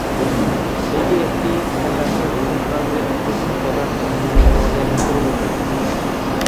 এটি একটি ফ্যাকাশে হলুদ রঙের কঠিন পদার্থ এবং জলে দ্রবণীয়।